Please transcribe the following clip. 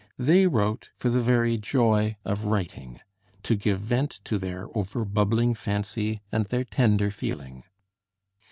They wrote for the very joy of writing, to give vent to their over bubbling fancy and their tender feeling.